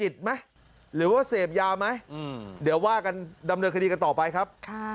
เดี๋ยวว่ากันดำเนินคดีกันต่อไปครับ